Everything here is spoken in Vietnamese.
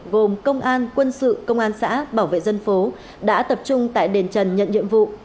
gồm công an quân sự công an xã bảo vệ dân phố đã tập trung tại đền trần nhận nhiệm vụ